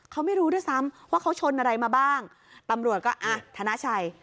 เขาไม่รู้ด้วยซ้ำว่าเขาชนอะไรมาบ้างตำรวจก็อ่ะธนาชัย